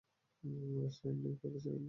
রাষ্ট্রীয় আইন নেই, প্রাদেশিক আইন।